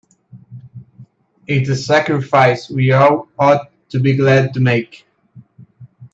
It's a sacrifice we all ought to be glad to make.